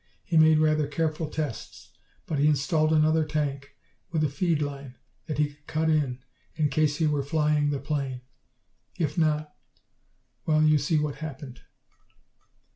He made rather careful tests. But he installed another tank, with a feed line that he could cut in in case he were flying the plane. If not well, you see what happened."